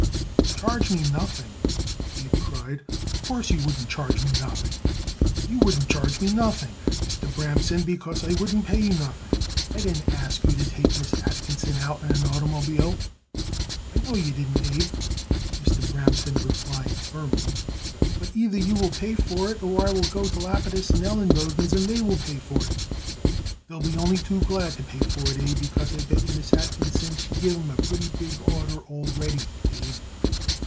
"Charge me nothing!" Abe cried. "Of course you wouldn't charge me nothing. You wouldn't charge me nothing, Mr. Bramson, because I wouldn't pay you nothing. I didn't ask you to take Miss Atkinson out in an oitermobile." "I know you didn't, Abe," Mr. Bramson replied firmly, "but either you will pay for it or I will go over to Lapidus & Elenbogen's and they will pay for it. They'll be only too glad to pay for it, Abe, because I bet yer Miss Atkinson she give 'em a pretty big order already, Abe."